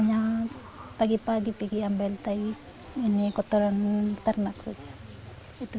karena pagi pagi pergi ambil teh ini kotoran ternak saja